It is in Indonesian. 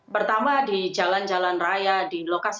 pertama di jalan jalan raya di lokasi